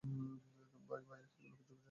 ভাই, বাইরের কিছু লোক ঢুকেছে।